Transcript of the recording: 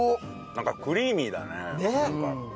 なんかクリーミーだね。